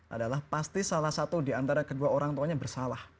adalah pasti salah satu diantara kedua orang tuanya bersalah